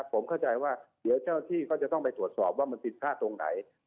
ผมเข้าใจว่าเดี๋ยวเจ้าที่ก็จะต้องไปตรวจสอบว่ามันผิดพลาดตรงไหน